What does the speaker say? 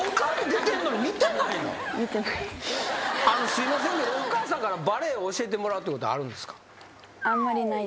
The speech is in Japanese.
すいませんけどお母さんからバレーを教えてもらうってことはあるんですか？